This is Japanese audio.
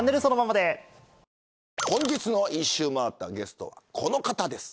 以上、本日の１周回ったゲストはこの方です。